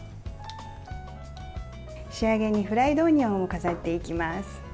仕上げにフライドオニオンを飾っていきます。